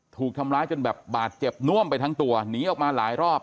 ถูกทำร้ายจนแบบบาดเจ็บน่วมไปทั้งตัวหนีออกมาหลายรอบ